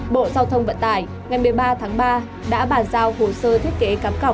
bộ giao thông vận tải ngày một mươi ba tháng ba đã bàn giao hồ sơ thiết kế cắm cọc